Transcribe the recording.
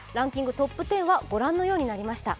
ＴＯＰ１０はご覧のようになりました。